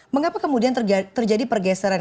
mengapa kemudian terjadi pergeseran